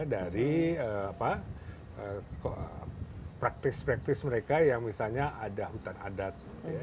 dari praktis praktis mereka yang misalnya ada hutan adat